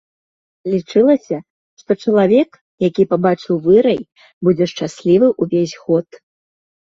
Лічылася, што чалавек, які пабачыў вырай, будзе шчаслівы ўвесь год.